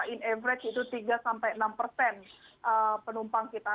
in average itu tiga enam persen penumpang kita